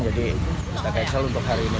jadi kita kecel untuk hari ini